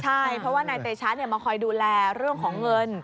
ใช่เพราะว่านายเตชะมาคอยดูแลเรื่องของเงิน